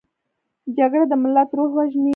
جګړه د ملت روح وژني